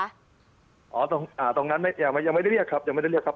อ่าตรงนั้นยังไม่ได้เรียกครับ